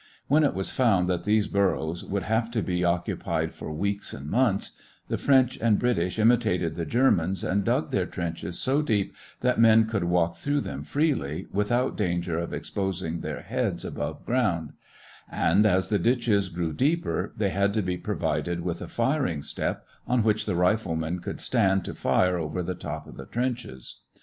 When it was found that these burrows would have to be occupied for weeks and months, the French and British imitated the Germans and dug their trenches so deep that men could walk through them freely, without danger of exposing their heads above ground; and as the ditches grew deeper, they had to be provided with a firing step on which the riflemen could stand to fire over the top of the trenches.